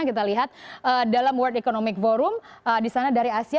kita lihat dalam world economic forum disana dari asia